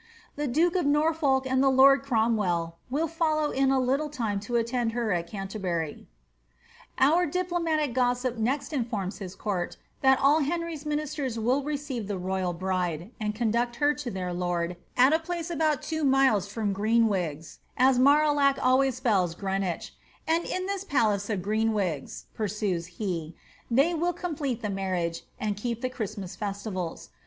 The duke of Norfolk and the lord Cromwell will follow tn a liiHi ame m alland h«r al Canterbury." Oiir iliplumalif gowip next informi his court, lliat all Henry's minie wn will receive iLe royal hriile.nnd conduct her to their lord, al a phce ibiml two miles from ^'GrefHwigii," as Marillae always spella Ureen wirh ;'" and in this pitlace i>( Greenwign,^' pursues he, " iKey will com pile the marriage, and keeji ihe Chnsimas realivals.